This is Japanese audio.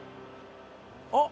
あっ！